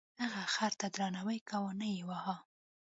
هغه خر ته درناوی کاوه او نه یې واهه.